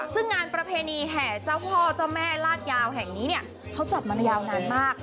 ซึ่งงานประเพณีแห่เจ้าพ่อเจ้าแม่ลาดยาวแห่งนี้เนี่ยเขาจัดมายาวนานมาก